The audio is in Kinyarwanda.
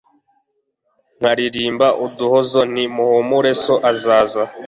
nkalirimba uduhozo nti muhumure so azaza